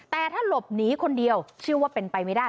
แต่ถ้าหลบหนีคนเดียวเชื่อว่าเป็นไปไม่ได้